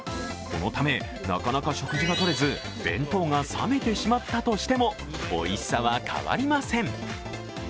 このため、なかなか食事が取れず弁当が冷めてしまったとしてもおいしさは変わりません。